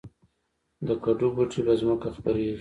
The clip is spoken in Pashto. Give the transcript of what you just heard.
د کدو بوټی په ځمکه خپریږي